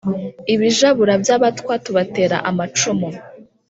ibijabura by’abatwa tubatera amacumu